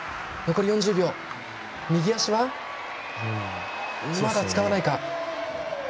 右足はまだ使わないか。